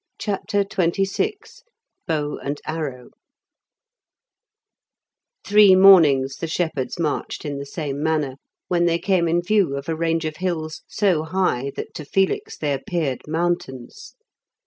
CHAPTER XXVI BOW AND ARROW Three mornings the shepherds marched in the same manner, when they came in view of a range of hills so high that to Felix they appeared mountains.